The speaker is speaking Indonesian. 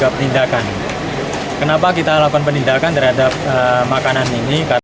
penindakan kenapa kita lakukan penindakan terhadap makanan ini